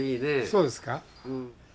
そうですか？